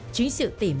chính sự tìm kiếm